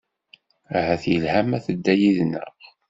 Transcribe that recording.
Ahat yelha ma tedda yid-nneɣ.